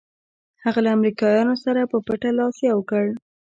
هغه له امریکایانو سره په پټه لاس یو کړ.